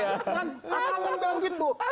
kan takut bilang gitu